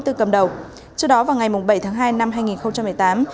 trước đó vào ngày bảy tháng hai năm hai nghìn một mươi tám